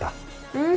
うん。